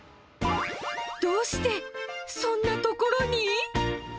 どうしてそんな所に？